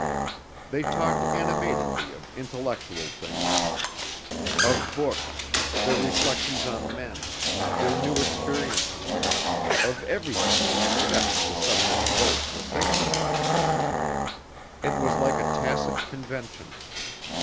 They talked animatedly of intellectual things, of books, their reflections on men, their new experiences of everything except the subject both were thinking about. It was like a tacit convention.